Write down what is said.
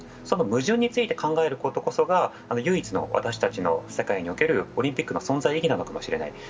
その矛盾について考えることこそが、唯一の私たちの世界におけるオリンピックの存在意義なのかもしれない。